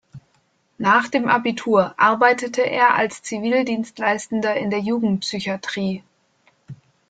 Nach dem Abitur arbeitete er als Zivildienstleistender in der Jugendpsychiatrie.